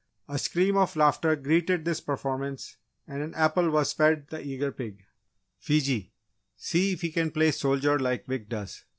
A scream of laughter greeted this performance and an apple was fed the eager pig. "Fiji, see if he can play soldier like Wick does?"